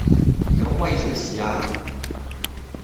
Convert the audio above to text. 有乜威水史啊